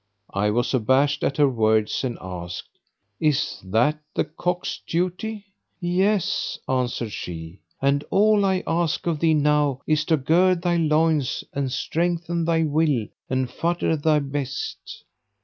I was abashed at her words and asked, "Is that the cock's duty? Yes, answered she; "and all I ask of thee now is to gird thy loins and strengthen thy will and futter thy best."